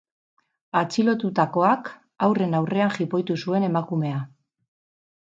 Atxilotutakoak haurren aurrean jipoitu zuen emakumea.